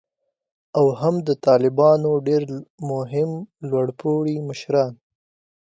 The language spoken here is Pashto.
او هم د طالبانو ډیر مهم لوړ پوړي مشران